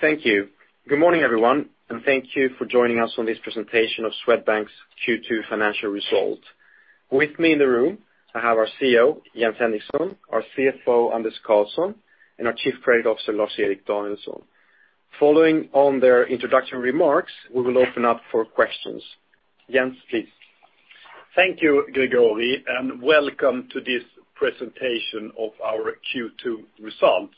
Thank you. Good morning, everyone, thank you for joining us on this presentation of Swedbank's Q2 financial result. With me in the room, I have our CEO, Jens Henriksson, our CFO, Anders Karlsson, and our Chief Credit Officer, Lars-Erik Danielsson. Following on their introduction remarks, we will open up for questions. Jens, please. Thank you, Gregori, welcome to this presentation of our Q2 results.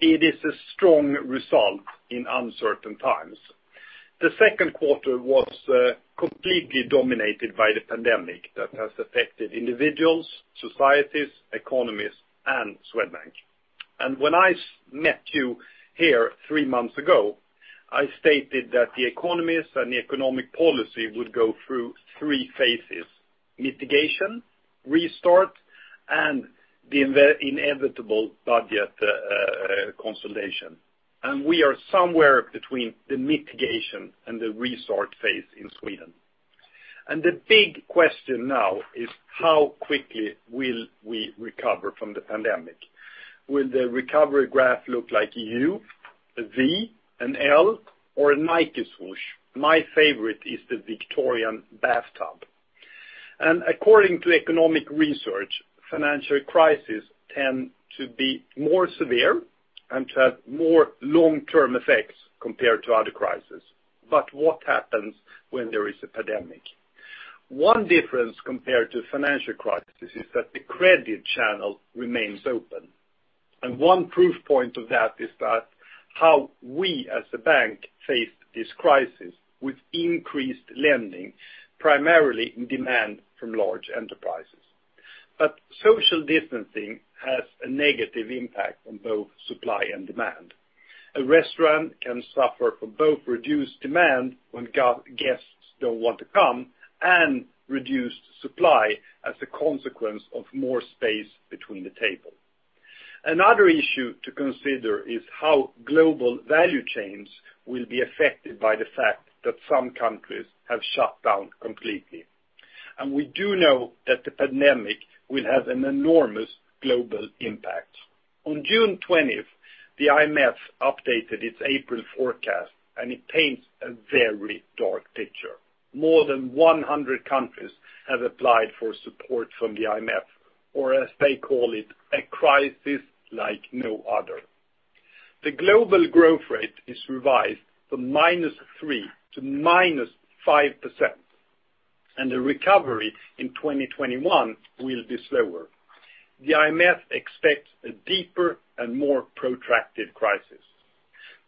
It is a strong result in uncertain times. The second quarter was completely dominated by the pandemic that has affected individuals, societies, economies, and Swedbank. When I met you here three months ago, I stated that the economies and the economic policy would go through three phases, mitigation, restart, and the inevitable budget consolidation. We are somewhere between the mitigation and the restart phase in Sweden. The big question now is how quickly will we recover from the pandemic? Will the recovery graph look like a U, a V, an L, or a Nike swoosh? My favorite is the Victorian bathtub. According to economic research, financial crisis tend to be more severe and to have more long-term effects compared to other crisis. What happens when there is a pandemic? One difference compared to financial crisis is that the credit channel remains open. One proof point of that is that how we, as a bank, faced this crisis with increased lending, primarily in demand from large enterprises. Social distancing has a negative impact on both supply and demand. A restaurant can suffer from both reduced demand when guests don't want to come and reduced supply as a consequence of more space between the table. Another issue to consider is how global value chains will be affected by the fact that some countries have shut down completely. We do know that the pandemic will have an enormous global impact. On June 20th, the IMF updated its April forecast, and it paints a very dark picture. More than 100 countries have applied for support from the IMF, or as they call it, a crisis like no other. The global growth rate is revised from -3% to -5%, and the recovery in 2021 will be slower. The IMF expects a deeper and more protracted crisis.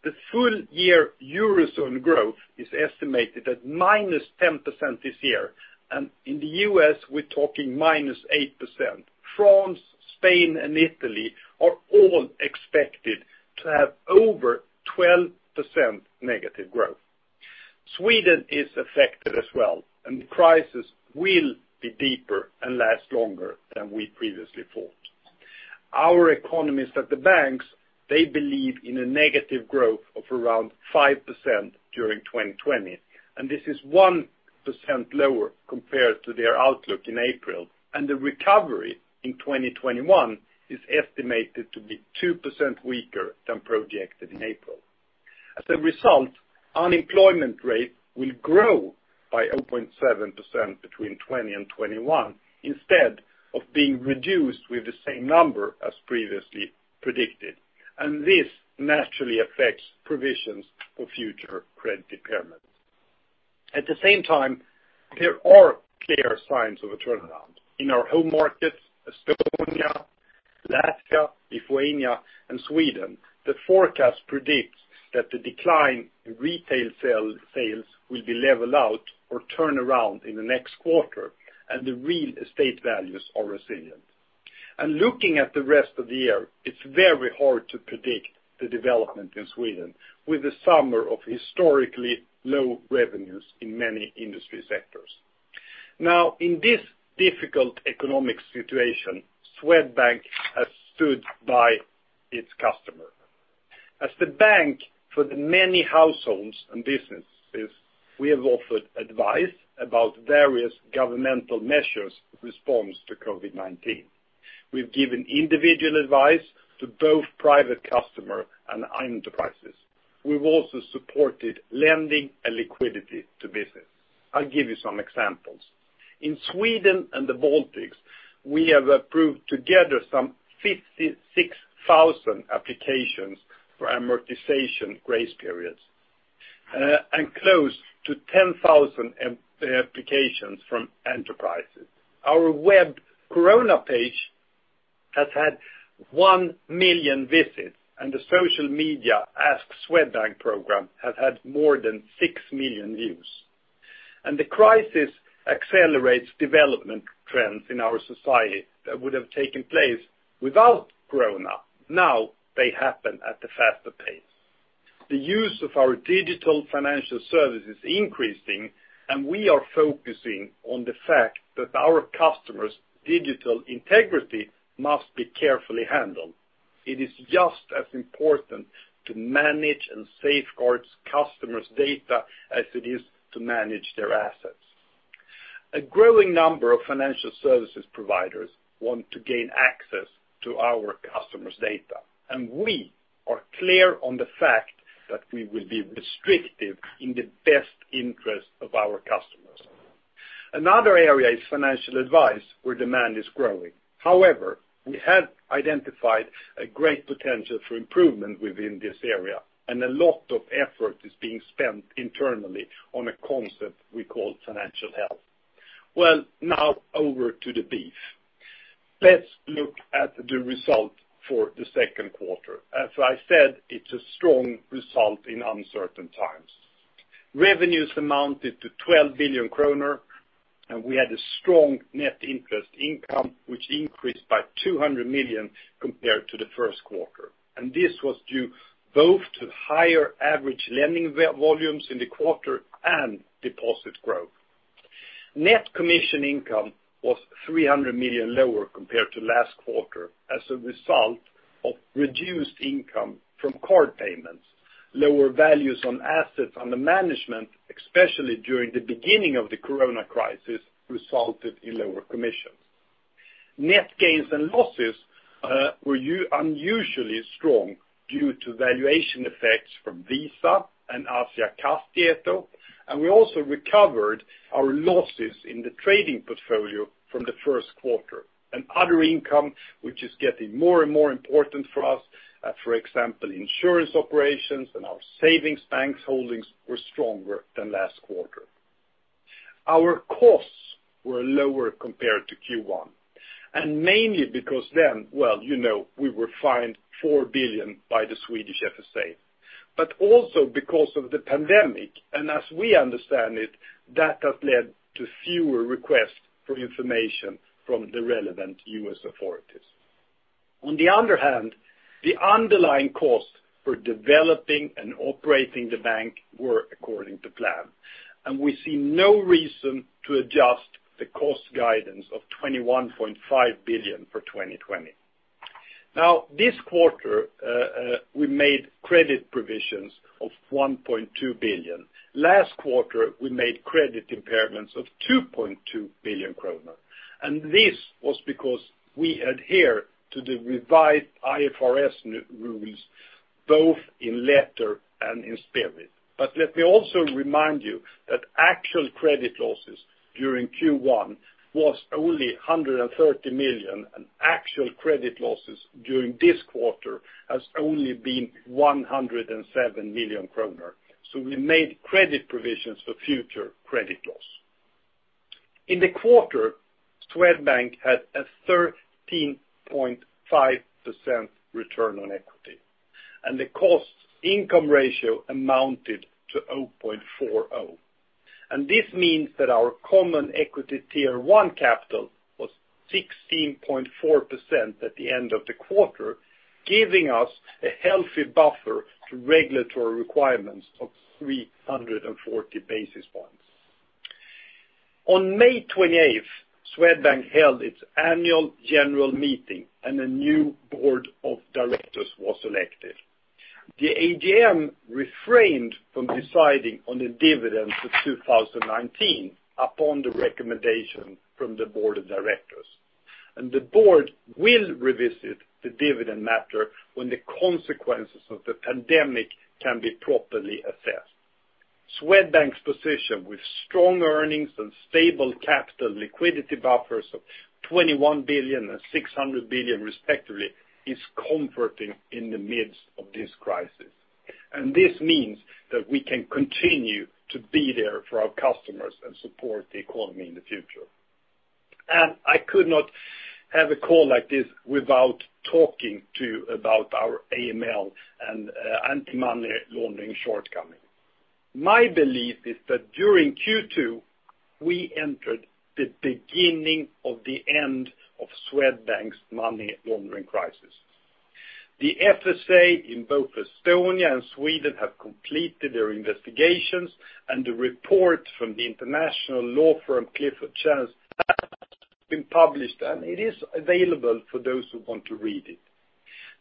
The full year Eurozone growth is estimated at -10% this year, and in the U.S., we're talking -8%. France, Spain, and Italy are all expected to have over 12% negative growth. Sweden is affected as well, and the crisis will be deeper and last longer than we previously thought. Our economists at the banks, they believe in a negative growth of around 5% during 2020, and this is 1% lower compared to their outlook in April, and the recovery in 2021 is estimated to be 2% weaker than projected in April. As a result, unemployment rate will grow by 0.7% between 2020 and 2021 instead of being reduced with the same number as previously predicted. This naturally affects provisions for future credit impairment. At the same time, there are clear signs of a turnaround. In our home markets, Estonia, Latvia, Lithuania, and Sweden, the forecast predicts that the decline in retail sales will be leveled out or turn around in the next quarter, and the real estate values are resilient. Looking at the rest of the year, it's very hard to predict the development in Sweden with the summer of historically low revenues in many industry sectors. In this difficult economic situation, Swedbank has stood by its customer. As the bank for the many households and businesses, we have offered advice about various governmental measures response to COVID-19. We've given individual advice to both private customer and enterprises. We've also supported lending and liquidity to business. I'll give you some examples. In Sweden and the Baltics, we have approved together some 56,000 applications for amortization grace periods, and close to 10,000 applications from enterprises. Our web Corona page has had 1 million visits, and the social media Ask Swedbank program has had more than 6 million views. The crisis accelerates development trends in our society that would have taken place without Corona. Now they happen at a faster pace. The use of our digital financial service is increasing, and we are focusing on the fact that our customers' digital integrity must be carefully handled. It is just as important to manage and safeguard customers' data as it is to manage their assets. A growing number of financial services providers want to gain access to our customers' data. We are clear on the fact that we will be restrictive in the best interest of our customers. Another area is financial advice where demand is growing. However, we have identified a great potential for improvement within this area. A lot of effort is being spent internally on a concept we call financial health. Well, now over to the beef. Let's look at the result for the second quarter. As I said, it's a strong result in uncertain times. Revenues amounted to 12 billion kronor. We had a strong net interest income, which increased by 200 million compared to the first quarter. This was due both to higher average lending volumes in the quarter and deposit growth. Net commission income was 300 million lower compared to last quarter as a result of reduced income from card payments. Lower values on assets under management, especially during the beginning of the Corona crisis, resulted in lower commissions. Net gains and losses were unusually strong due to valuation effects from Visa and Asiakastieto, we also recovered our losses in the trading portfolio from the first quarter. Other income, which is getting more and more important for us, for example, insurance operations and our savings banks holdings were stronger than last quarter. Our costs were lower compared to Q1, mainly because then, well, we were fined 4 billion by the Swedish FSA, also because of the pandemic, as we understand it, that has led to fewer requests for information from the relevant U.S. authorities. On the other hand, the underlying costs for developing and operating the bank were according to plan, and we see no reason to adjust the cost guidance of 21.5 billion for 2020. This quarter, we made credit provisions of 1.2 billion. Last quarter, we made credit impairments of 2.2 billion kronor. This was because we adhere to the revised IFRS rules, both in letter and in spirit. Let me also remind you that actual credit losses during Q1 was only 130 million, and actual credit losses during this quarter has only been 107 million kronor. We made credit provisions for future credit loss. In the quarter, Swedbank had a 13.5% return on equity, and the cost income ratio amounted to 0.40. This means that our common equity tier 1 capital was 16.4% at the end of the quarter, giving us a healthy buffer to regulatory requirements of 340 basis points. On May 28th, Swedbank held its annual general meeting and a new board of directors was elected. The AGM refrained from deciding on the dividend for 2019 upon the recommendation from the board of directors. The board will revisit the dividend matter when the consequences of the pandemic can be properly assessed. Swedbank's position with strong earnings and stable capital liquidity buffers of 21 billion and 600 billion respectively, is comforting in the midst of this crisis. This means that we can continue to be there for our customers and support the economy in the future. I could not have a call like this without talking to you about our AML and anti-money laundering shortcoming. My belief is that during Q2, we entered the beginning of the end of Swedbank's money laundering crisis. The FSA in both Estonia and Sweden have completed their investigations, and the report from the international law firm, Clifford Chance, has been published, and it is available for those who want to read it.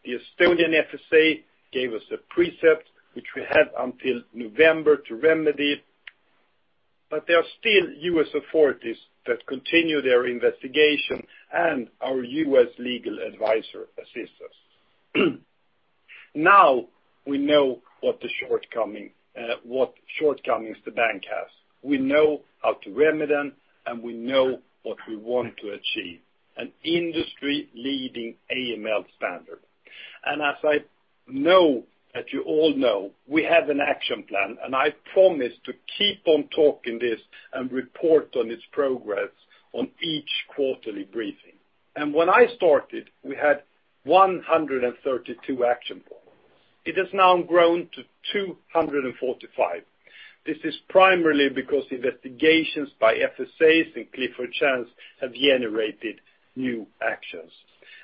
The Estonian FSA gave us a precept which we have until November to remedy. There are still U.S. authorities that continue their investigation and our U.S. legal advisor assists us. Now we know what shortcomings the bank has. We know how to remedy them, and we know what we want to achieve, an industry-leading AML standard. As I know that you all know, we have an action plan, and I promise to keep on talking this and report on its progress on each quarterly briefing. When I started, we had 132 action points. It has now grown to 245. This is primarily because the investigations by FSAs and Clifford Chance have generated new actions.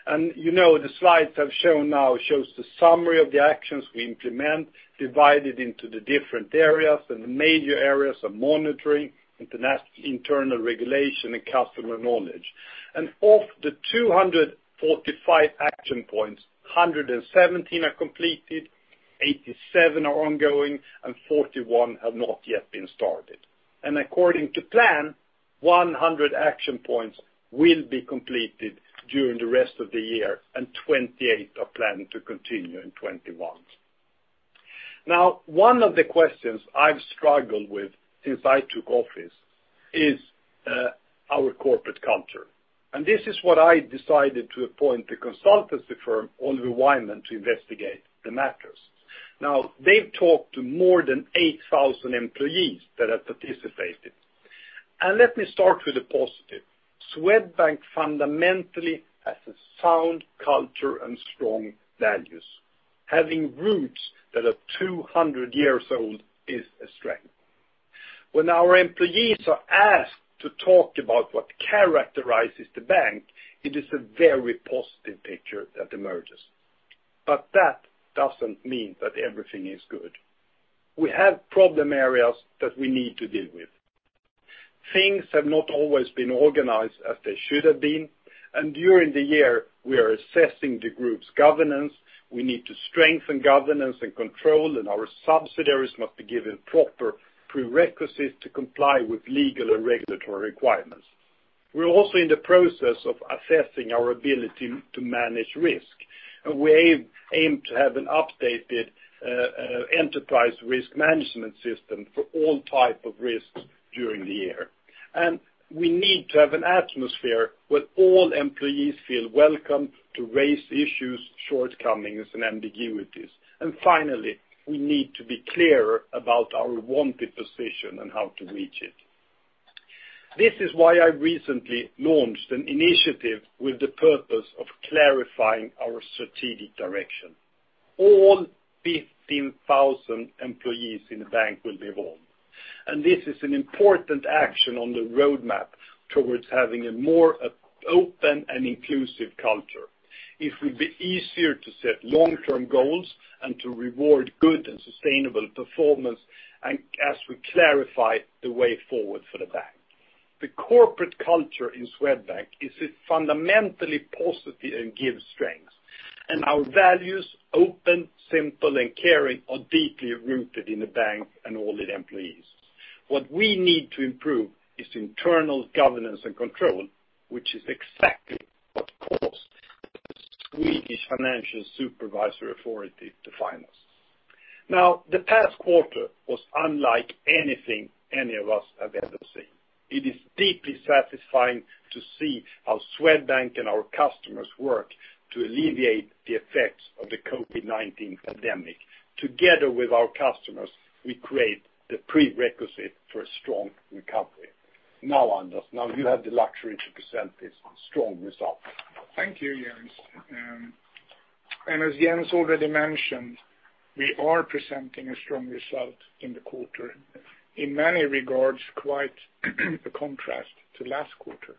The slides I've shown now shows the summary of the actions we implement divided into the different areas, and the major areas are monitoring, internal regulation, and customer knowledge. Of the 245 action points, 117 are completed, 87 are ongoing, and 41 have not yet been started. According to plan, 100 action points will be completed during the rest of the year, and 28 are planned to continue in 2021. Now, one of the questions I've struggled with since I took office is our corporate culture, and this is what I decided to appoint the consultancy firm, Oliver Wyman, to investigate the matters. Now, they've talked to more than 8,000 employees that have participated. Let me start with the positive. Swedbank fundamentally has a sound culture and strong values. Having roots that are 200 years old is a strength. When our employees are asked to talk about what characterizes the bank, it is a very positive picture that emerges. That doesn't mean that everything is good. We have problem areas that we need to deal with. Things have not always been organized as they should have been. During the year we are assessing the group's governance. We need to strengthen governance and control. Our subsidiaries must be given proper prerequisites to comply with legal and regulatory requirements. We're also in the process of assessing our ability to manage risk. We aim to have an updated enterprise risk management system for all type of risks during the year. We need to have an atmosphere where all employees feel welcome to raise issues, shortcomings, and ambiguities. Finally, we need to be clearer about our wanted position and how to reach it. This is why I recently launched an initiative with the purpose of clarifying our strategic direction. All 15,000 employees in the bank will be involved, and this is an important action on the roadmap towards having a more open and inclusive culture. It will be easier to set long-term goals and to reward good and sustainable performance as we clarify the way forward for the bank. The corporate culture in Swedbank is fundamentally positive and gives strength, and our values, open, simple, and caring, are deeply rooted in the bank and all its employees. What we need to improve is internal governance and control, which is exactly what caused the Swedish Financial Supervisory Authority to fine us. The past quarter was unlike anything any of us have ever seen. It is deeply satisfying to see how Swedbank and our customers work to alleviate the effects of the COVID-19 pandemic. Together with our customers, we create the prerequisite for a strong recovery. Now, Anders, you have the luxury to present this strong result. Thank you, Jens. As Jens already mentioned, we are presenting a strong result in the quarter. In many regards, quite a contrast to last quarter.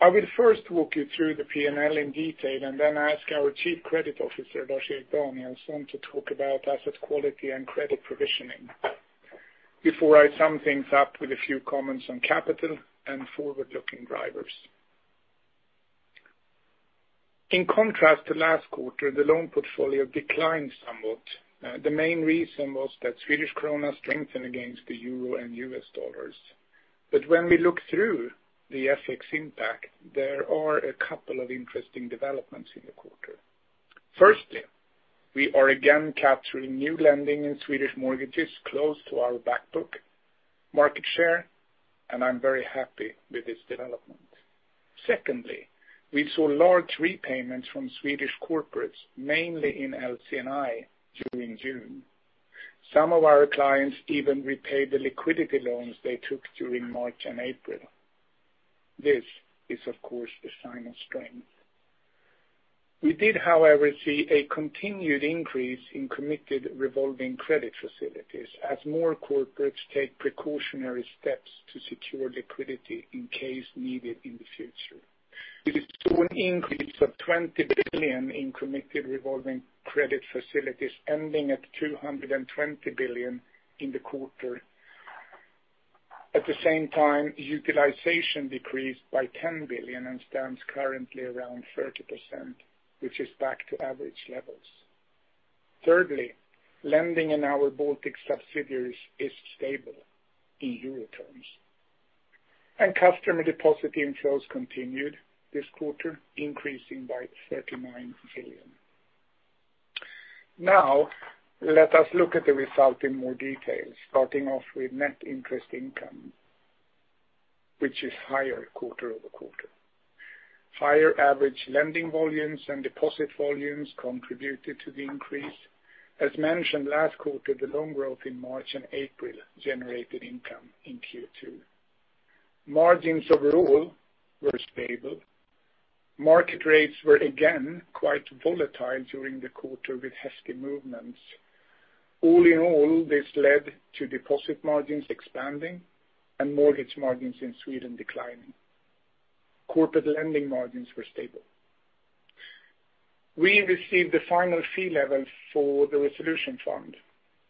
I will first walk you through the P&L in detail and then ask our Chief Credit Officer, Lars-Erik Danielsson, to talk about asset quality and credit provisioning before I sum things up with a few comments on capital and forward-looking drivers. In contrast to last quarter, the loan portfolio declined somewhat. The main reason was that Swedish krona strengthened against the euro and US dollars. When we look through the FX impact, there are a couple of interesting developments in the quarter. Firstly, we are again capturing new lending in Swedish mortgages close to our back book market share, and I'm very happy with this development. Secondly, we saw large repayments from Swedish corporates, mainly in LC&I during June. Some of our clients even repaid the liquidity loans they took during March and April. This is, of course, a sign of strength. We did, however, see a continued increase in committed revolving credit facilities as more corporates take precautionary steps to secure liquidity in case needed in the future. We saw an increase of 20 billion in committed revolving credit facilities, ending at 220 billion in the quarter. At the same time, utilization decreased by 10 billion and stands currently around 30%, which is back to average levels. Thirdly, lending in our Baltic subsidiaries is stable in EUR terms. Customer deposit inflows continued this quarter, increasing by 39 billion. Now, let us look at the result in more detail, starting off with net interest income, which is higher quarter-over-quarter. Higher average lending volumes and deposit volumes contributed to the increase. As mentioned last quarter, the loan growth in March and April generated income in Q2. Margins overall were stable. Market rates were again quite volatile during the quarter with hefty movements. All in all, this led to deposit margins expanding and mortgage margins in Sweden declining. Corporate lending margins were stable. We received the final fee level for the resolution fund.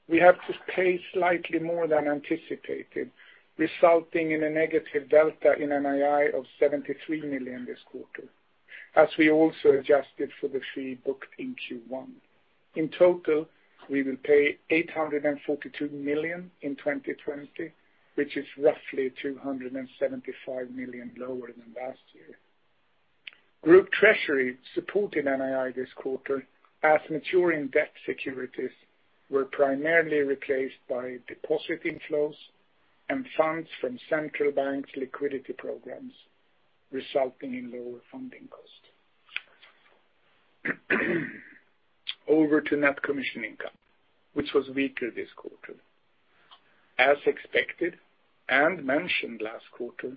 We have to pay slightly more than anticipated, resulting in a negative delta in NII of 73 million this quarter, as we also adjusted for the fee booked in Q1. In total, we will pay 842 million in 2020, which is roughly 275 million lower than last year. Group Treasury supported NII this quarter as maturing debt securities were primarily replaced by deposit inflows and funds from central bank liquidity programs, resulting in lower funding cost. Over to net commission income, which was weaker this quarter. As expected and mentioned last quarter,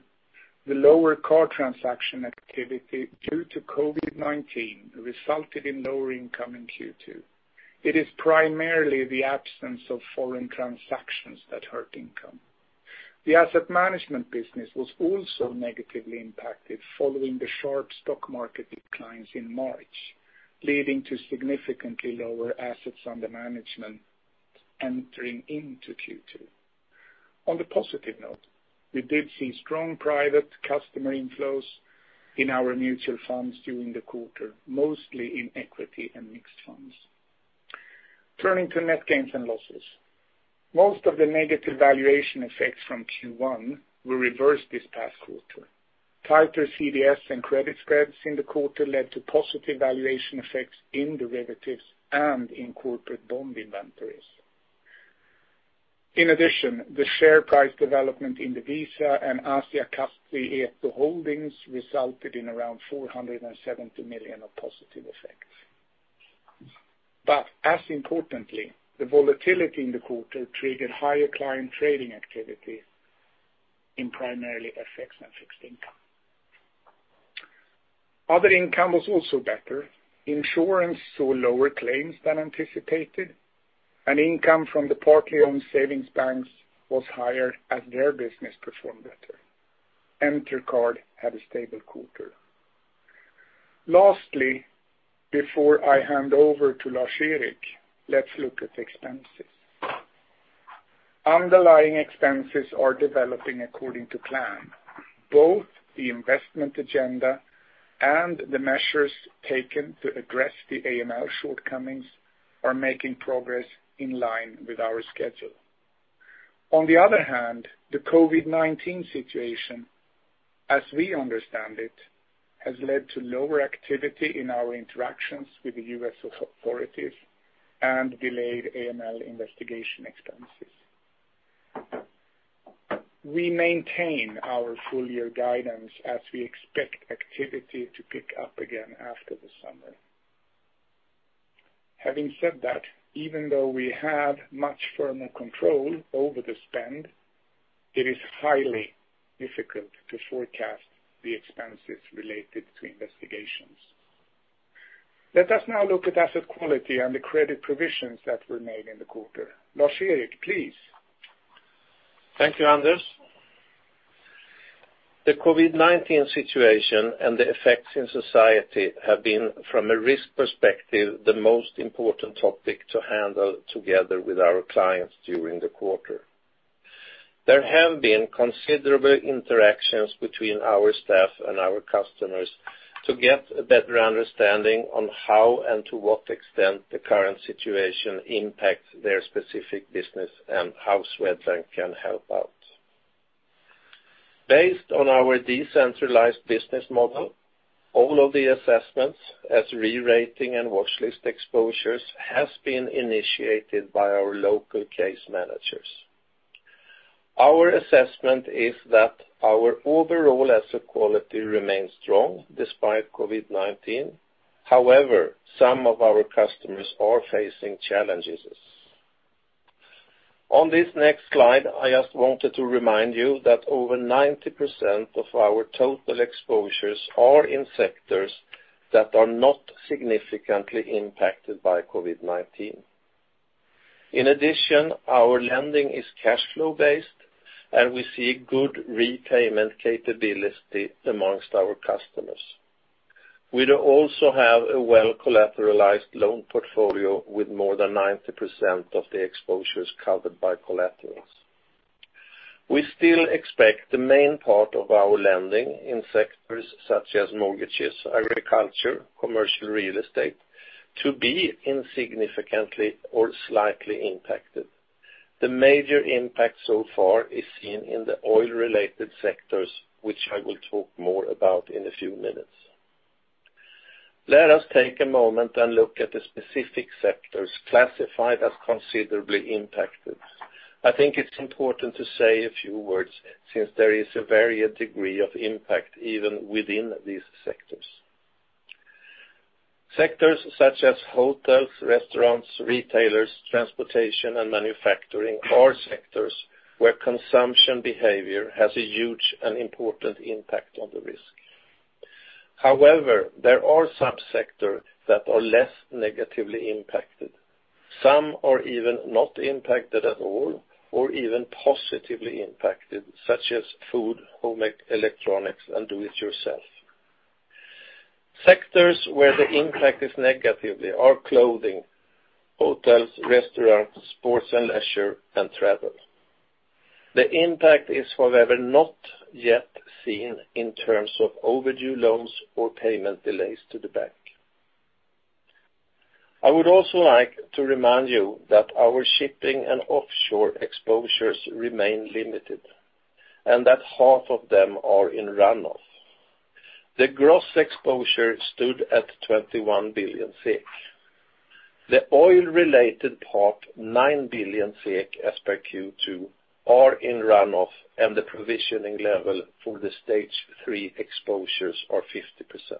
the lower card transaction activity due to COVID-19 resulted in lower income in Q2. It is primarily the absence of foreign transactions that hurt income. The asset management business was also negatively impacted following the sharp stock market declines in March, leading to significantly lower assets under management entering into Q2. On the positive note, we did see strong private customer inflows in our mutual funds during the quarter, mostly in equity and mixed funds. Turning to net gains and losses. Most of the negative valuation effects from Q1 were reversed this past quarter. Tighter CDS and credit spreads in the quarter led to positive valuation effects in derivatives and in corporate bond inventories. The share price development in the Visa and Asiakastieto holdings resulted in around 470 million of positive effects. As importantly, the volatility in the quarter triggered higher client trading activity in primarily FX and fixed income. Other income was also better. Insurance saw lower claims than anticipated, and income from the partly owned savings banks was higher as their business performed better. Entercard had a stable quarter. Lastly, before I hand over to Lars-Erik, let's look at expenses. Underlying expenses are developing according to plan. Both the investment agenda and the measures taken to address the AML shortcomings are making progress in line with our schedule. The COVID-19 situation, as we understand it, has led to lower activity in our interactions with the U.S. authorities and delayed AML investigation expenses. We maintain our full-year guidance as we expect activity to pick up again after the summer. Having said that, even though we have much firmer control over the spend, it is highly difficult to forecast the expenses related to investigations. Let us now look at asset quality and the credit provisions that were made in the quarter. Lars-Erik, please. Thank you, Anders. The COVID-19 situation and the effects in society have been, from a risk perspective, the most important topic to handle together with our clients during the quarter. There have been considerable interactions between our staff and our customers to get a better understanding on how and to what extent the current situation impacts their specific business and how Swedbank can help out. Based on our decentralized business model, all of the assessments as re-rating and watchlist exposures has been initiated by our local case managers. Our assessment is that our overall asset quality remains strong despite COVID-19. Some of our customers are facing challenges. On this next slide, I just wanted to remind you that over 90% of our total exposures are in sectors that are not significantly impacted by COVID-19. In addition, our lending is cash flow-based, and we see good repayment capability among our customers. We also have a well-collateralized loan portfolio with more than 90% of the exposures covered by collaterals. We still expect the main part of our lending in sectors such as mortgages, agriculture, commercial real estate to be insignificantly or slightly impacted. The major impact so far is seen in the oil-related sectors, which I will talk more about in a few minutes. Let us take a moment and look at the specific sectors classified as considerably impacted. I think it's important to say a few words since there is a varied degree of impact even within these sectors. Sectors such as hotels, restaurants, retailers, transportation, and manufacturing are sectors where consumption behavior has a huge and important impact on the risk. However, there are some sectors that are less negatively impacted. Some are even not impacted at all or even positively impacted, such as food, home electronics, and do-it-yourself. Sectors where the impact is negatively are clothing, hotels, restaurants, sports and leisure, and travel. The impact is, however, not yet seen in terms of overdue loans or payment delays to the bank. I would also like to remind you that our shipping and offshore exposures remain limited, and that half of them are in runoff. The gross exposure stood at 21 billion SEK. The oil-related part, 9 billion SEK as per Q2, are in runoff and the provisioning level for the stage 3 exposures are 50%.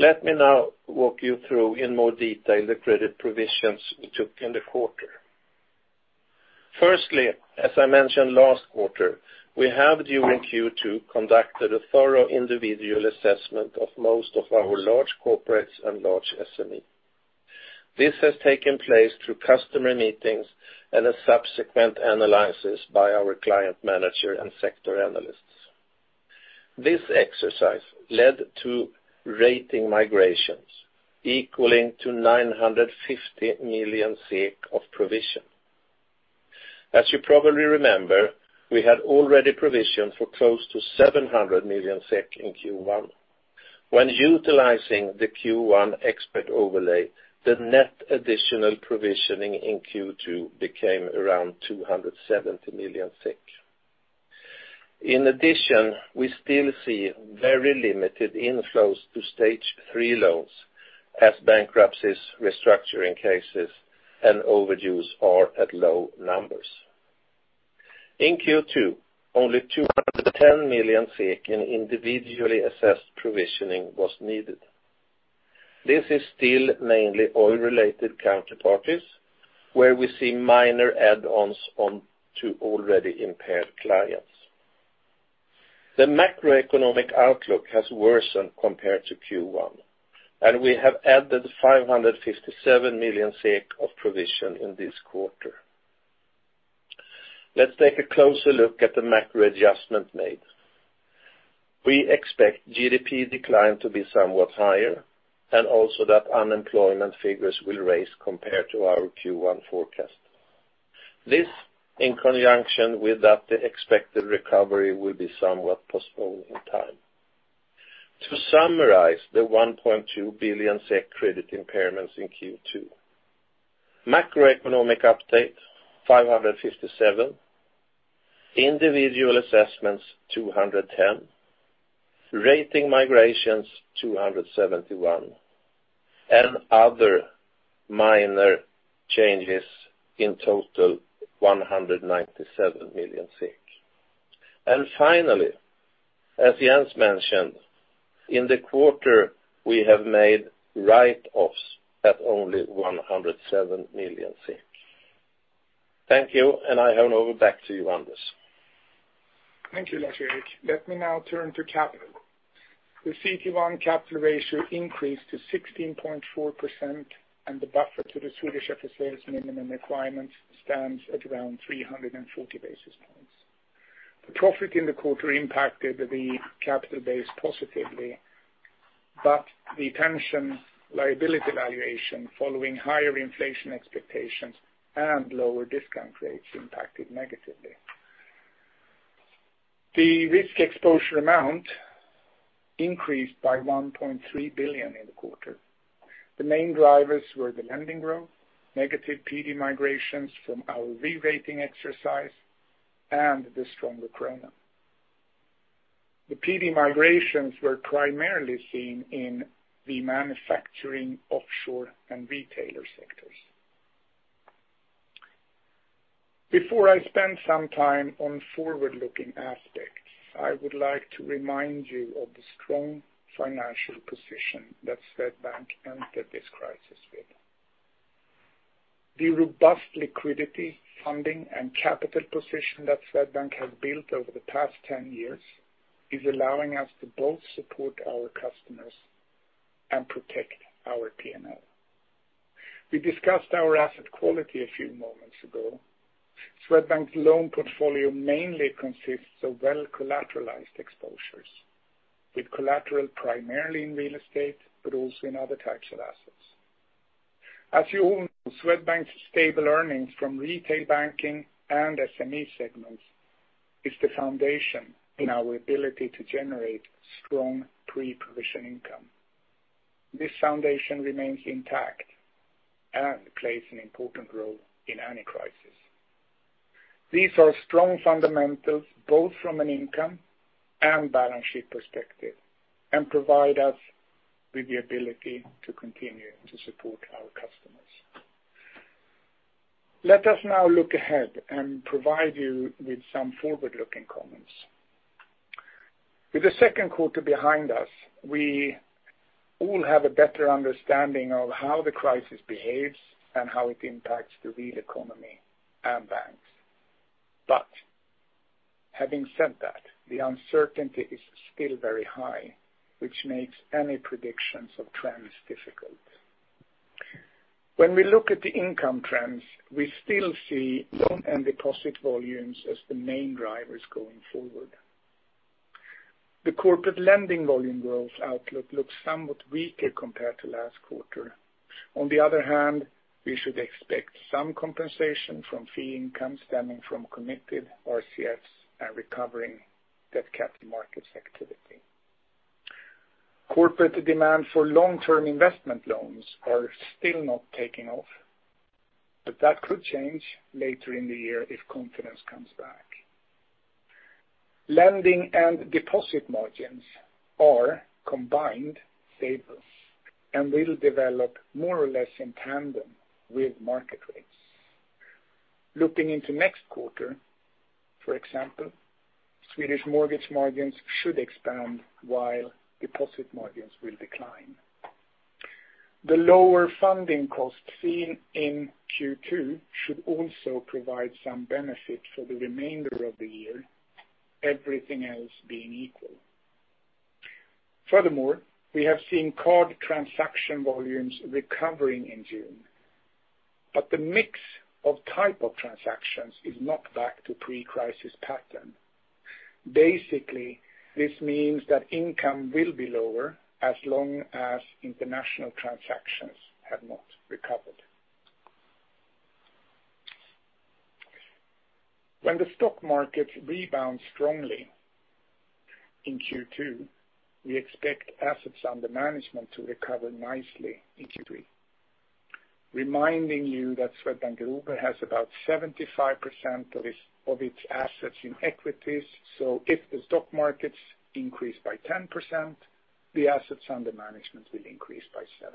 Let me now walk you through in more detail the credit provisions we took in the quarter. Firstly, as I mentioned last quarter, we have, during Q2, conducted a thorough individual assessment of most of our large corporates and large SME. This has taken place through customer meetings and a subsequent analysis by our client manager and sector analysts. This exercise led to rating migrations equaling to 950 million of provision. As you probably remember, we had already provisioned for close to 700 million SEK in Q1. When utilizing the Q1 expert overlay, the net additional provisioning in Q2 became around 270 million. We still see very limited inflows to stage 3 loans as bankruptcies, restructuring cases, and overdues are at low numbers. In Q2, only 210 million in individually assessed provisioning was needed. This is still mainly oil-related counterparties, where we see minor add-ons onto already impaired clients. The macroeconomic outlook has worsened compared to Q1, and we have added 557 million SEK of provision in this quarter. Let's take a closer look at the macro adjustment made. We expect GDP decline to be somewhat higher and also that unemployment figures will rise compared to our Q1 forecast. This in conjunction with that the expected recovery will be somewhat postponed in time. To summarize the 1.2 billion SEK credit impairments in Q2, macroeconomic update 557 million, individual assessments 210 million, rating migrations 271 million, and other minor changes, in total 197 million. Finally, as Jens mentioned, in the quarter we have made write-offs at only 107 million. Thank you, and I hand over back to you, Anders. Thank you, Lars-Erik. Let me now turn to capital. The CET1 capital ratio increased to 16.4%, and the buffer to the Swedish FSA's minimum requirements stands at around 340 basis points. The profit in the quarter impacted the capital base positively, but the pension liability valuation following higher inflation expectations and lower discount rates impacted negatively. The risk exposure amount increased by 1.3 billion in the quarter. The main drivers were the lending growth, negative PD migrations from our re-rating exercise, and the stronger krona. The PD migrations were primarily seen in the manufacturing offshore and retailer sectors. Before I spend some time on forward-looking aspects, I would like to remind you of the strong financial position that Swedbank entered this crisis with. The robust liquidity funding and capital position that Swedbank has built over the past ten years is allowing us to both support our customers and protect our P&L. We discussed our asset quality a few moments ago. Swedbank's loan portfolio mainly consists of well-collateralized exposures with collateral primarily in real estate, but also in other types of assets. As you all know, Swedbank's stable earnings from retail banking and SME segments is the foundation in our ability to generate strong pre-provision income. This foundation remains intact and plays an important role in any crisis. These are strong fundamentals both from an income and balance sheet perspective, and provide us with the ability to continue to support our customers. Let us now look ahead and provide you with some forward-looking comments. With the second quarter behind us, we all have a better understanding of how the crisis behaves and how it impacts the real economy and banks. Having said that, the uncertainty is still very high, which makes any predictions of trends difficult. When we look at the income trends, we still see loan and deposit volumes as the main drivers going forward. The corporate lending volume growth outlook looks somewhat weaker compared to last quarter. On the other hand, we should expect some compensation from fee income stemming from committed RCFs and recovering that capital markets activity. Corporate demand for long-term investment loans are still not taking off, but that could change later in the year if confidence comes back. Lending and deposit margins are combined stable and will develop more or less in tandem with market rates. Looking into next quarter, for example, Swedish mortgage margins should expand while deposit margins will decline. The lower funding cost seen in Q2 should also provide some benefit for the remainder of the year, everything else being equal. Furthermore, we have seen card transaction volumes recovering in June, but the mix of type of transactions is not back to pre-crisis pattern. Basically, this means that income will be lower as long as international transactions have not recovered. When the stock market rebounds strongly in Q2, we expect assets under management to recover nicely in Q3. Reminding you that Swedbank Group has about 75% of its assets in equities, so if the stock markets increase by 10%, the assets under management will increase by 7.5.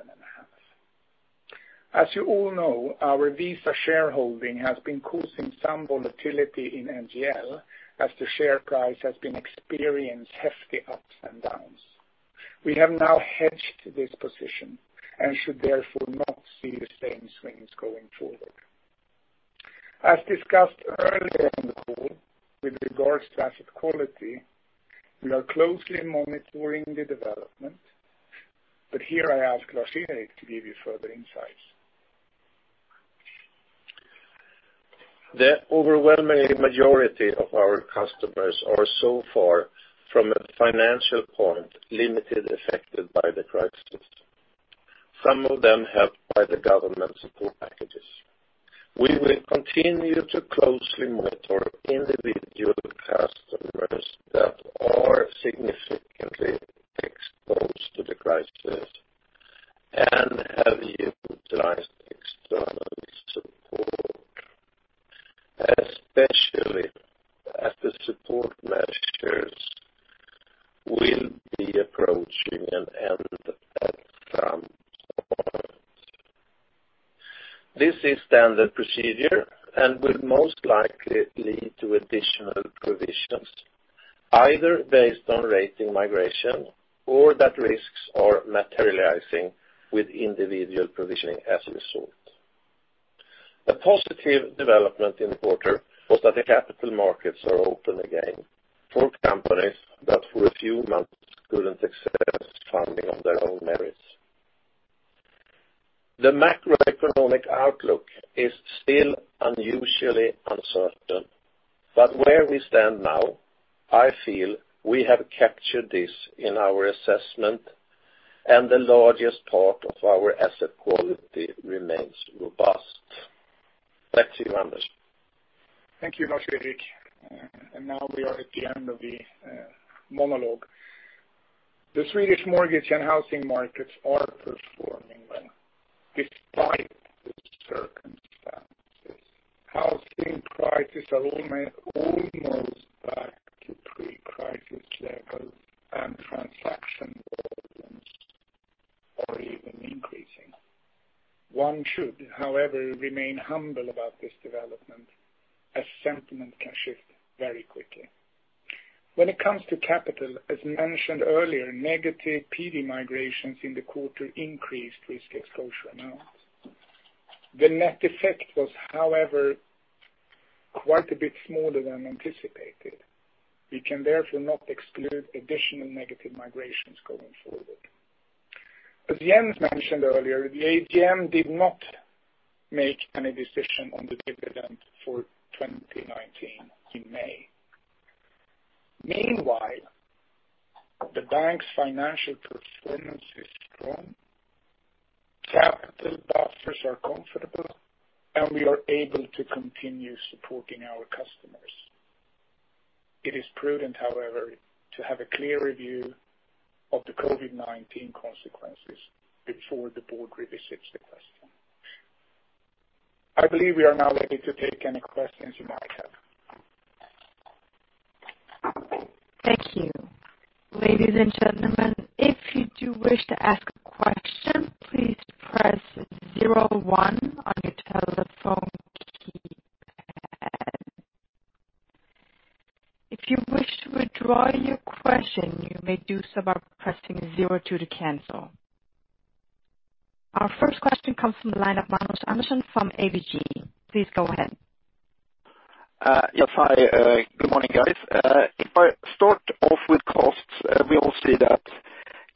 As you all know, our Visa shareholding has been causing some volatility in NGL as the share price has been experienced hefty ups and downs. We have now hedged this position and should therefore not see the same swings going forward. As discussed earlier in the call with regards to asset quality, we are closely monitoring the development, but here I ask Lars-Erik to give you further insights. The overwhelming majority of our customers are so far from a financial point, limited affected by the crisis, some of them helped by the government support packages. We will continue to closely monitor individual customers that are significantly exposed to the crisis and have utilized external support, especially as the support measures will be approaching an end at some point. This is standard procedure and will most likely lead to additional provisions, either based on rating migration or that risks are materializing with individual provisioning as a result. A positive development in the quarter was that the capital markets are open again for companies that for a few months couldn't access funding on their own merits. The macroeconomic outlook is still unusually uncertain, but where we stand now, I feel we have captured this in our assessment and the largest part of our asset quality remains robust. Back to you, Anders. Thank you, Lars-Erik. Now we are at the end of the monologue. The Swedish mortgage and housing markets are performing well despite the circumstances. Housing prices are almost back to pre-crisis levels and transaction volumes are even increasing. One should, however, remain humble about this development as sentiment can shift very quickly. When it comes to capital, as mentioned earlier, negative PD migrations in the quarter increased risk exposure amounts. The net effect was, however, quite a bit smaller than anticipated. We can therefore not exclude additional negative migrations going forward. As Jens mentioned earlier, the AGM did not make any decision on the dividend for 2019 in May. Meanwhile, the bank's financial performance is strong, capital buffers are comfortable, and we are able to continue supporting our customers. It is prudent, however, to have a clear review of the COVID-19 consequences before the board revisits the question. I believe we are now ready to take any questions you might have. Thank you. Ladies and gentlemen, if you do wish to ask a question, please press zero one on your telephone keypad. If you wish to withdraw your question, you may do so by pressing zero two to cancel. Our first question comes from the line of Magnus Andersson from ABG. Please go ahead. Hi. Good morning, guys. If I start off with costs, we all see that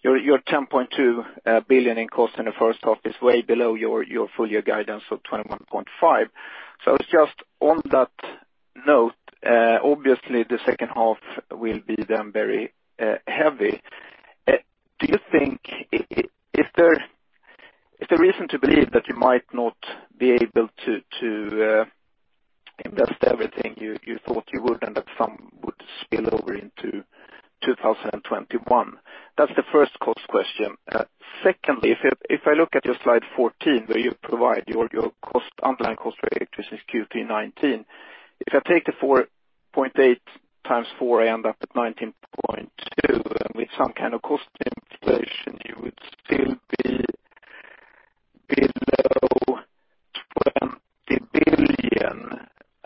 your 10.2 billion in cost in the first half is way below your full year guidance of 21.5 billion. Just on that note, obviously the second half will be then very heavy. Do you think is there reason to believe that you might not be able to invest everything you thought you would and that some would spill over into 2021? That's the first cost question. If I look at your slide 14 where you provide your underlying cost rate versus Q1, if I take the 4.8 times four, I end up at 19.20 billion. With some kind of cost inflation, you would still be below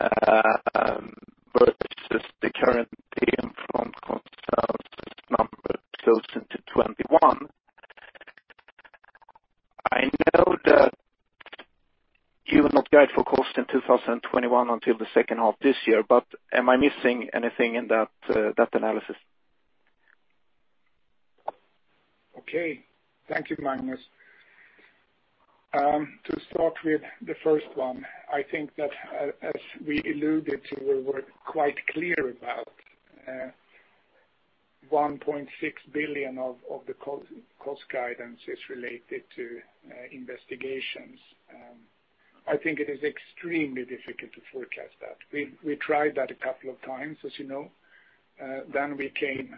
20 billion versus the current theme from consensus number goes into 2021. I know that you will not guide for cost in 2021 until the second half this year, but am I missing anything in that analysis? Okay. Thank you, Magnus. To start with the first one, I think that as we alluded to, we were quite clear about 1.6 billion of the cost guidance is related to investigations. I think it is extremely difficult to forecast that. We tried that a couple of times, as you know. We came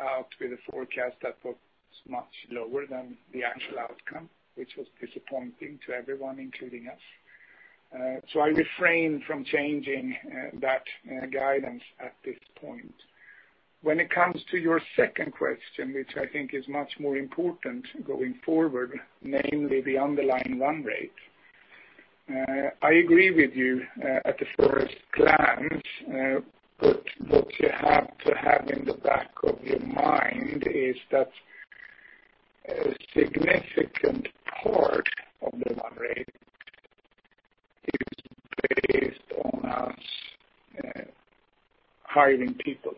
out with a forecast that was much lower than the actual outcome, which was disappointing to everyone, including us. I refrain from changing that guidance at this point. When it comes to your second question, which I think is much more important going forward, namely the underlying run rate. I agree with you at the first glance, but what you have to have in the back of your mind is that a significant part of the run rate is based on us hiring people.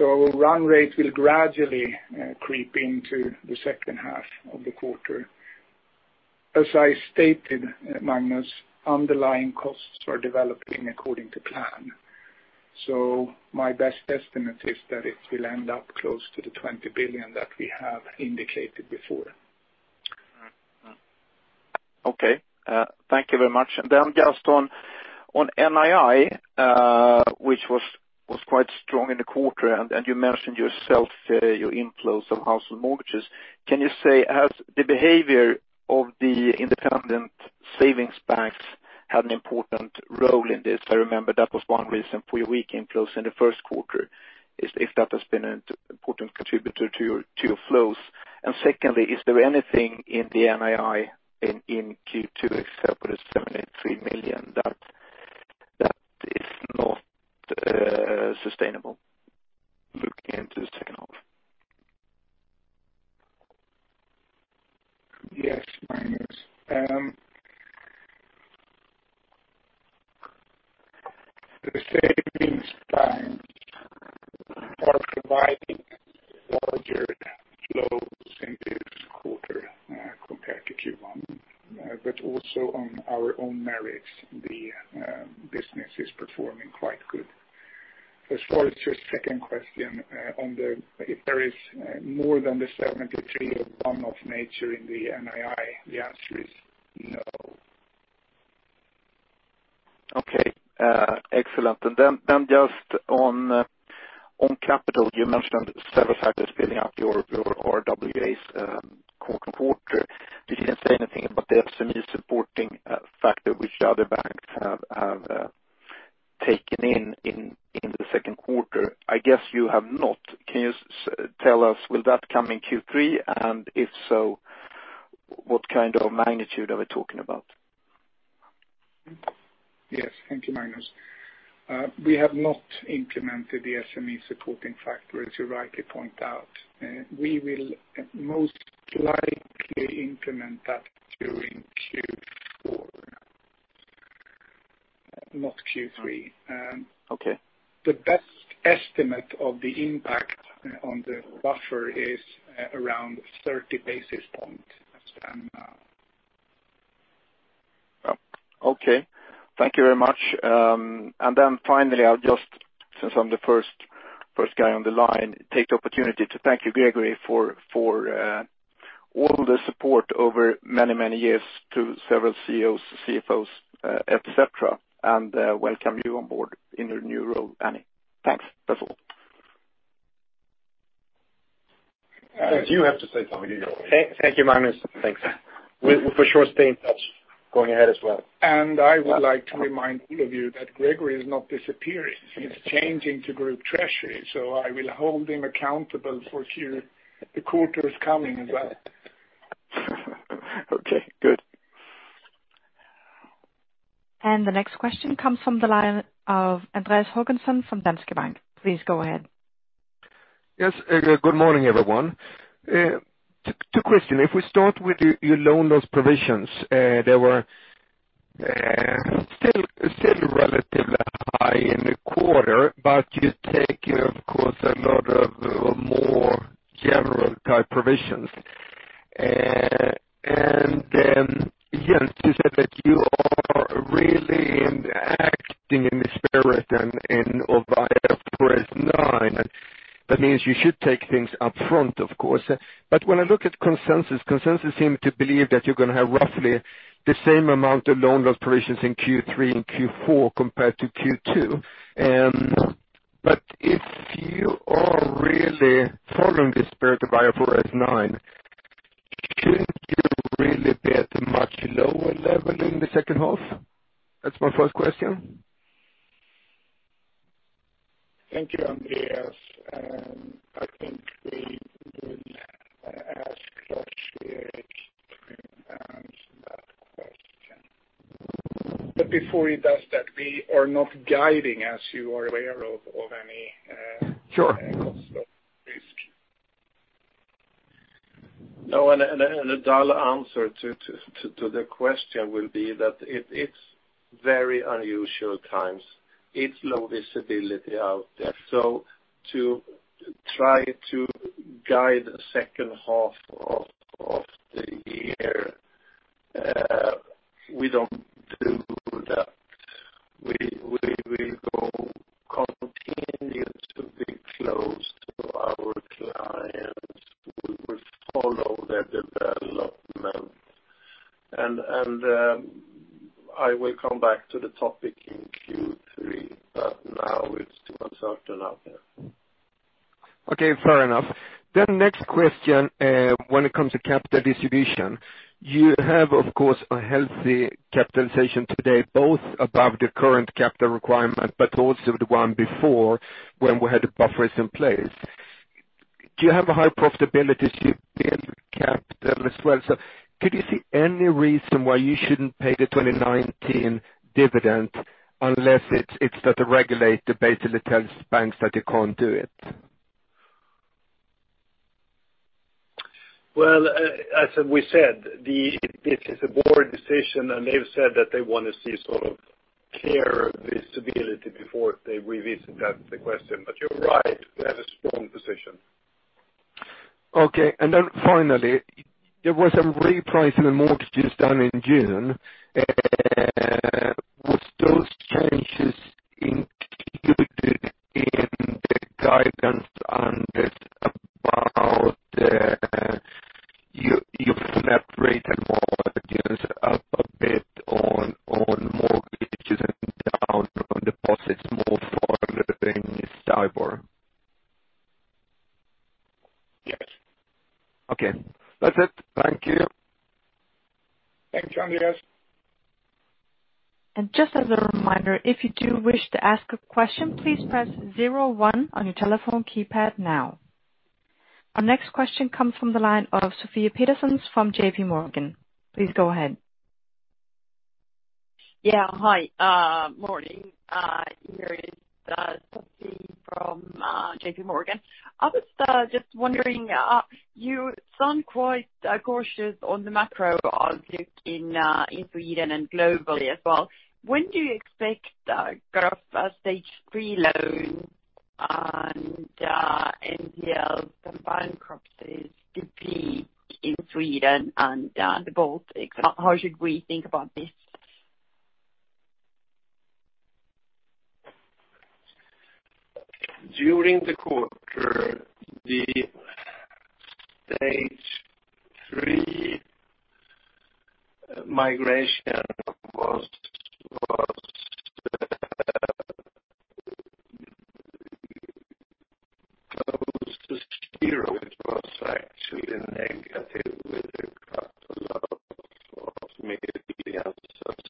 Run rate will gradually creep into the second half of the quarter. As I stated, Magnus, underlying costs are developing according to plan, so my best estimate is that it will end up close to 20 billion that we have indicated before. Okay. Thank you very much. Then just on NII, which was quite strong in the quarter, you mentioned yourself your inflows of household mortgages. Can you say, has the behavior of the independent savings banks had an important role in this? I remember that was one reason for your weak inflows in the first quarter, if that has been an important contributor to your flows. Secondly, is there anything in the NII in Q2 except for the SEK 73 million that is not sustainable looking into the second half? Yes, Magnus. The savings banks are providing larger flows in this quarter compared to Q1. Also on our own merits, the business is performing quite good. As far as your second question, if there is more than the 73 of one-off nature in the NII, the answer is no. Okay. Excellent. Just on capital, you mentioned several factors building up your RWAs quarter on quarter. You didn't say anything about the SME supporting factor, which the other banks have taken in the second quarter. I guess you have not. Can you tell us, will that come in Q3? If so, what kind of magnitude are we talking about? Yes, thank you, Magnus. We have not implemented the SME supporting factor, as you rightly point out. We will most likely implement that during Q4, not Q3. Okay. The best estimate of the impact on the buffer is around 30 basis points. Okay. Thank you very much. Finally, I'll just, since I'm the first guy on the line, take the opportunity to thank you, Gregori, for all the support over many, many years to several CEOs, CFOs, et cetera, and welcome you on board in your new role, Annie. Thanks. That's all. You have to say something, Gregori. Thank you, Magnus. Thanks. We will for sure stay in touch going ahead as well. I would like to remind all of you that Gregori is not disappearing. He's changing to Group Treasury, so I will hold him accountable for the quarters coming as well. Okay, good. The next question comes from the line of Andreas Håkansson from Danske Bank. Please go ahead. Yes. Good morning, everyone. Two question, if we start with your loan loss provisions, they were still relatively high in the quarter, but you take, of course, a lot of more general type provisions. Yes, you said that you are really acting in the spirit of IFRS 9. That means you should take things up front, of course. When I look at consensus seem to believe that you're going to have roughly the same amount of loan loss provisions in Q3 and Q4 compared to Q2. If you are really following the spirit of IFRS 9, shouldn't you really be at a much lower level in the second half? That's my first question. Thank you, Andreas. I think we will ask Lars here to answer that question. Before he does that, we are not guiding, as you are aware of any- Sure risk. No. The dull answer to the question will be that it's very unusual times. It's low visibility out there. To try to guide the second half of the year, we don't do that. We will continue to be close to our clients. We will follow their development. I will come back to the topic in Q3. Now it's too uncertain out there. Okay, fair enough. Next question, when it comes to capital distribution. You have, of course, a healthy capitalization today, both above the current capital requirement, but also the one before when we had the buffers in place. Do you have a high profitability capital as well? Could you see any reason why you shouldn't pay the 2019 dividend unless it's that the regulator basically tells banks that they can't do it? Well, as we said, this is a board decision, and they've said that they want to see sort of clearer visibility before they revisit that question. You're right, we have a strong position. Okay. Then finally, there was some repricing of mortgages done in June. Was those changes included in the guidance and is about the, you flip that rate and mortgages up a bit on mortgages and down on deposits more further than STIBOR? Yes. Okay. That's it. Thank you. Thanks, Andreas. Just as a reminder, if you do wish to ask a question, please press zero one on your telephone keypad now. Our next question comes from the line of Sofie Peterzens from J.P. Morgan. Please go ahead. Yeah. Hi. Morning. It is Sofie from J.P. Morgan. I was just wondering, you sound quite cautious on the macro outlook in Sweden and globally as well. When do you expect to get off that stage 3 loan and NPLs and bankruptcies to be in Sweden and the Baltic? How should we think about this? During the quarter, the stage 3 migration was close to zero. It was actually negative with a couple of millions. Stage 3 did not grow. As I mentioned during my speech was that we don't see yet in our system any signs of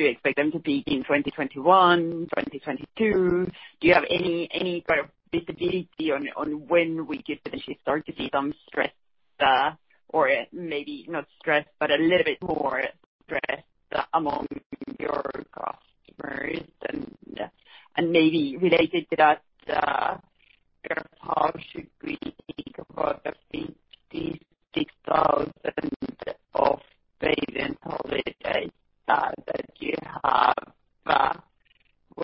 do you expect them to peak? Do you expect them to peak in 2021, 2022? Do you have any kind of visibility on when we could potentially start to see some stress, or maybe not stress, but a little bit more stress among your customers? Maybe related to that, how should we think about the 56,000 of payment holidays that you have?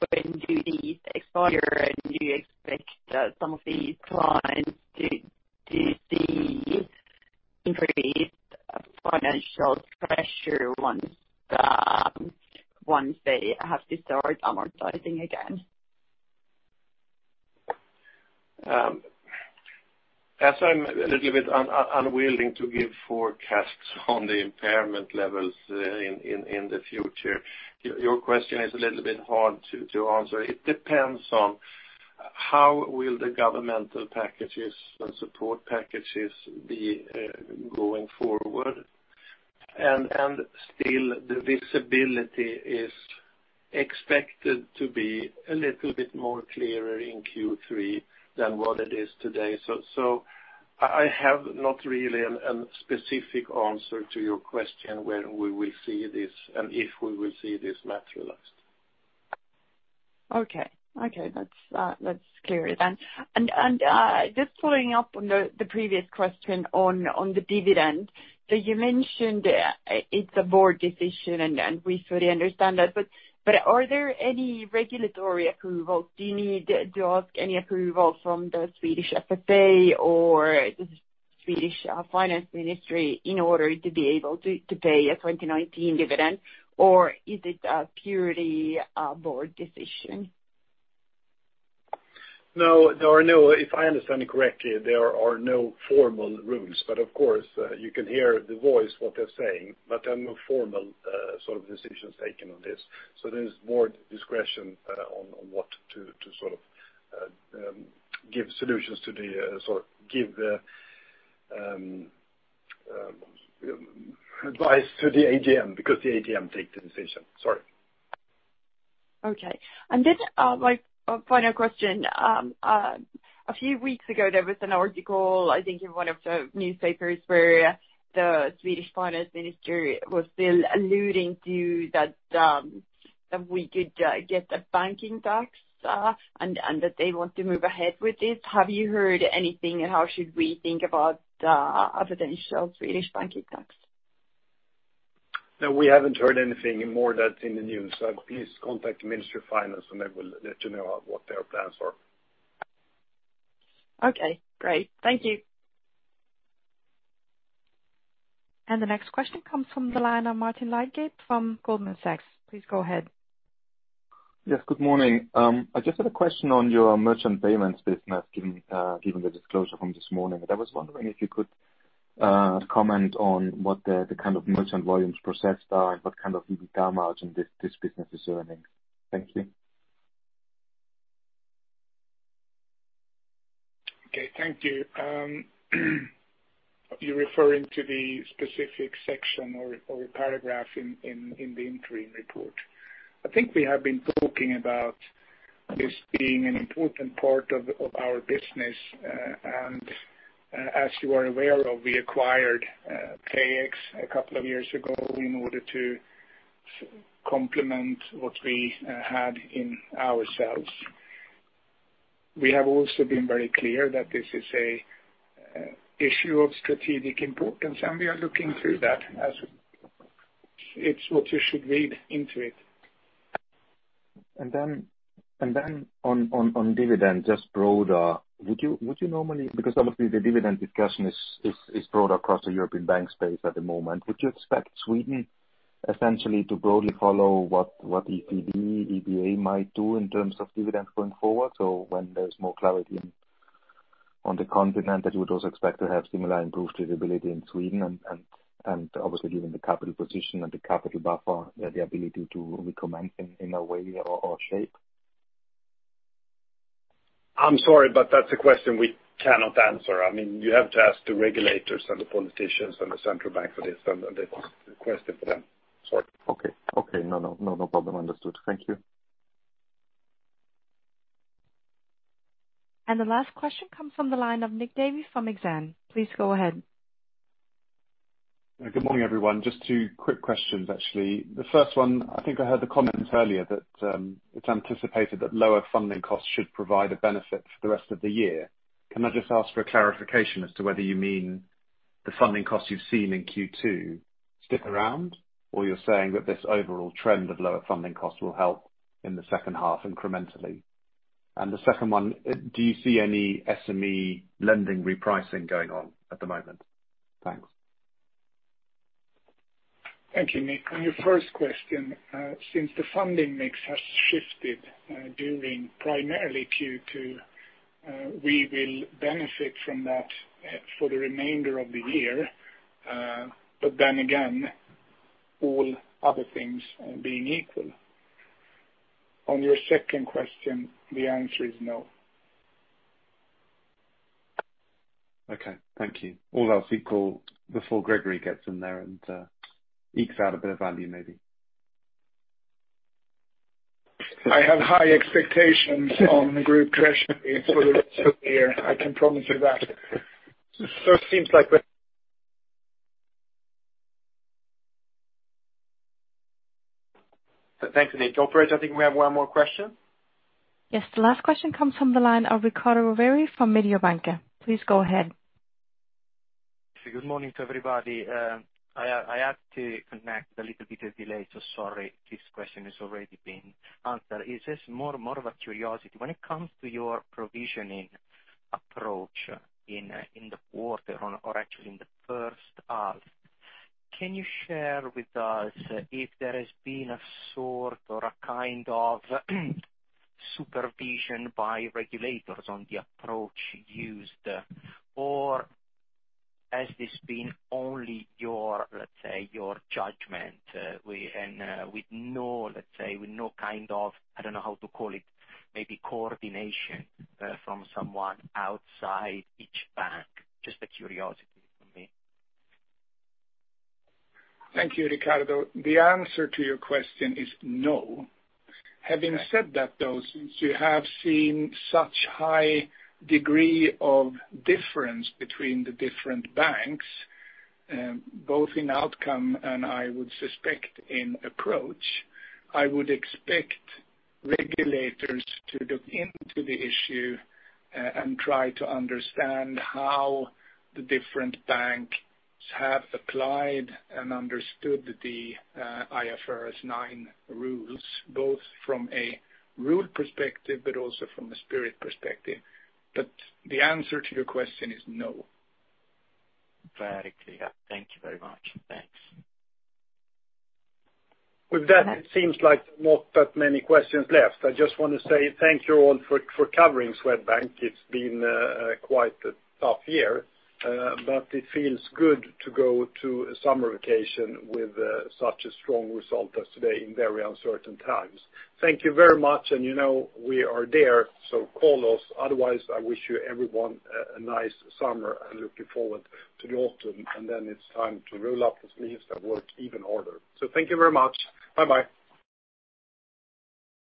When do these expire, and do you expect some of these clients to see increased financial pressure once they have to start amortizing again? As I'm a little bit unwilling to give forecasts on the impairment levels in the future, your question is a little bit hard to answer. It depends on how will the governmental packages and support packages be going forward. Still, the visibility is expected to be a little bit clearer in Q3 than what it is today. I have not really a specific answer to your question when we will see this, and if we will see this materialized. Okay. That's clear then. Just following up on the previous question on the dividend, you mentioned it's a board decision, and we fully understand that. Are there any regulatory approvals? Do you need to ask any approval from the Swedish FSA or the Ministry of Finance in order to be able to pay a 2019 dividend? Is it a purely a board decision? If I understand you correctly, there are no formal rules. Of course, you can hear the voice, what they're saying, but there are no formal sort of decisions taken on this. There is board discretion on what to give Sorry, give advice to the AGM, because the AGM take the decision. Sorry. Okay. My final question. A few weeks ago, there was an article, I think, in one of the newspapers where the Swedish Finance Minister was still alluding to that we could get a banking tax, and that they want to move ahead with this. Have you heard anything? How should we think about a potential Swedish banking tax? No, we haven't heard anything more than what's in the news. Please contact the Ministry of Finance, and they will let you know what their plans are. Okay, great. Thank you. The next question comes from the line of Martin Leitgeb from Goldman Sachs. Please go ahead. Yes, good morning. I just had a question on your merchant payments business, given the disclosure from this morning. I was wondering if you could comment on what the merchant volumes processed are and what kind of EBITDA margin this business is earning. Thank you. Okay, thank you. You're referring to the specific section or paragraph in the interim report. I think we have been talking about this being an important part of our business. As you are aware of, we acquired PayEx a couple of years ago in order to complement what we had in ourselves. We have also been very clear that this is a issue of strategic importance, and we are looking through that as it's what you should read into it. On dividend, just broader, would you normally Because obviously the dividend discussion is broad across the European bank space at the moment, would you expect Sweden essentially to broadly follow what ECB, EBA might do in terms of dividends going forward? When there's more clarity on the continent, that you would also expect to have similar improved visibility in Sweden and obviously given the capital position and the capital buffer, the ability to recommend in a way or shape? I'm sorry, but that's a question we cannot answer. You have to ask the regulators and the politicians and the central bank for this, and that's a question for them. Sorry. Okay. No problem. Understood. Thank you. The last question comes from the line of Nick Davey from Exane. Please go ahead. Good morning, everyone. Just two quick questions, actually. The first one, I think I heard the comment earlier that it's anticipated that lower funding costs should provide a benefit for the rest of the year. Can I just ask for a clarification as to whether you mean the funding costs you've seen in Q2 stick around, or you're saying that this overall trend of lower funding costs will help in the second half incrementally? The second one, do you see any SME lending repricing going on at the moment? Thanks. Thank you, Nick. On your first question, since the funding mix has shifted during primarily Q2, we will benefit from that for the remainder of the year. All other things being equal. On your second question, the answer is no. Okay, thank you. Else we call before Gregori gets in there and ekes out a bit of value maybe. I have high expectations on the Group Treasury for the rest of the year, I can promise you that. It seems like the Thanks, Nick. Operator, I think we have one more question. Yes, the last question comes from the line of Riccardo Rovere from Mediobanca. Please go ahead. Good morning to everybody. I had to connect a little bit of delay. Sorry if this question has already been answered. It is just more of a curiosity. When it comes to your provisioning approach in the quarter or actually in the first half, can you share with us if there has been a sort or a kind of supervision by regulators on the approach used? Or has this been only, let us say, your judgment? With no kind of, I don't know how to call it, maybe coordination from someone outside each bank? Just a curiosity for me. Thank you, Riccardo. The answer to your question is no. Having said that, though, since you have seen such high degree of difference between the different banks, both in outcome and I would suspect in approach, I would expect regulators to look into the issue and try to understand how the different banks have applied and understood the IFRS 9 rules, both from a rule perspective, but also from a spirit perspective. The answer to your question is no. Very clear. Thank you very much. Thanks. With that, it seems like not that many questions left. I just want to say thank you all for covering Swedbank. It's been quite a tough year. It feels good to go to summer vacation with such a strong result as today in very uncertain times. Thank you very much. You know we are there. Call us. Otherwise, I wish you everyone a nice summer and looking forward to the autumn. It's time to roll up the sleeves that worked even harder. Thank you very much. Bye-bye.